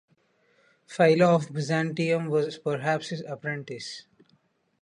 Philo of Byzantium was perhaps his apprentice.